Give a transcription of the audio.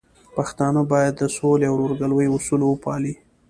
پښتانه بايد د سولې او ورورګلوي اصول وپالي.